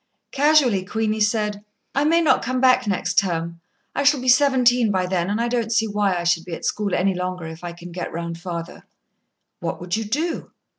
Casually, Queenie said: "I may not come back, next term. I shall be seventeen by then, and I don't see why I should be at school any longer if I can get round father." "What would you do?"